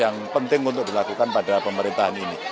yang penting untuk dilakukan pada pemerintahan ini